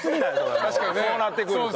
そうなってくると。